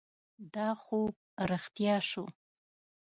دا خوب رښتیا شو.